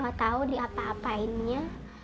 gak tau di apa apa lainnya